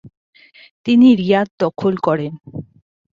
তিনি রিয়াদ দখল করেন।